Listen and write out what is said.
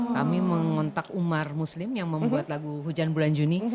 kami mengontak umar muslim yang membuat lagu hujan bulan juni